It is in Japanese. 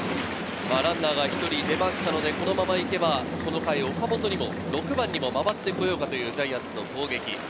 ランナーが１人出ましたので、このまま行けば、この回、岡本にも６番にも回ってこようかというジャイアンツの攻撃。